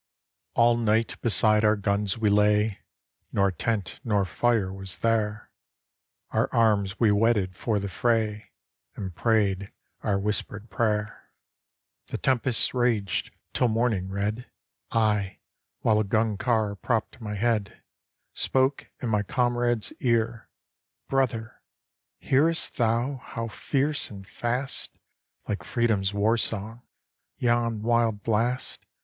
] All night beside our guns we lay, Nor tent nor fire was there; Our arms we whetted for the fray, And prayed our whispered prayer. 117 RUSSIA The tempest raged till morning red; I, while a gun car propped my head, Spoke in my comrade's ear: "Brother, hear'st thou how fierce and fast. Like freedom's war song, yon wild blast?"